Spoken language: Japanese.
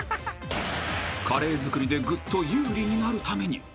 ［カレー作りでぐっと有利になるために］